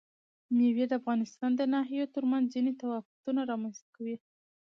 مېوې د افغانستان د ناحیو ترمنځ ځینې تفاوتونه رامنځ ته کوي.